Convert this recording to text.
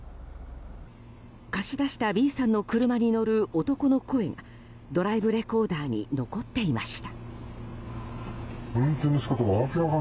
貸し出したＢさんの車に乗る男の声がドライブレコーダーに残っていました。